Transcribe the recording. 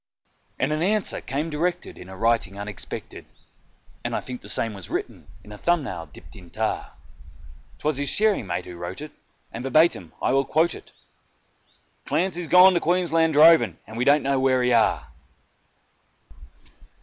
And an answer came directed in a writing unexpected (And I think the same was written with a thumb nail dipped in tar); 'Twas his shearing mate who wrote it, and verbatim I will quote it: "Clancy's gone to Queensland droving, and we don't know where he are."